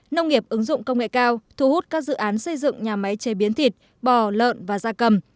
nông nghiệp ứng dụng công nghệ cao thu hút các dự án xây dựng nhà máy chế biến thịt bò lợn và da cầm